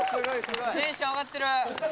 テンション上がってる。